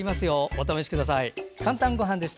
お試しください。